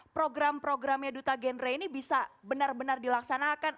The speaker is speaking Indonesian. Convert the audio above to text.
program programnya duta genre ini bisa benar benar dilaksanakan